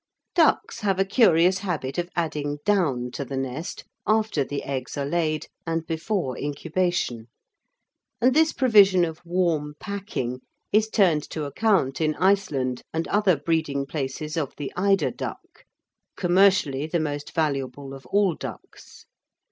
Ducks have a curious habit of adding down to the nest after the eggs are laid and before incubation, and this provision of warm packing is turned to account in Iceland and other breeding places of the eider duck, commercially the most valuable of all ducks.